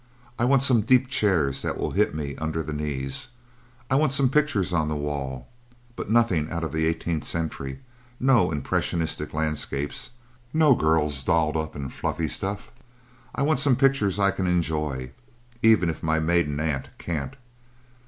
I want some deep chairs that will hit me under the knees. I want some pictures on the wall but nothing out of the Eighteenth Century no impressionistic landscapes no girls dolled up in fluffy stuff. I want some pictures I can enjoy, even if my maiden aunt can't.